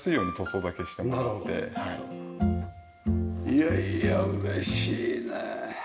いやいや嬉しいね。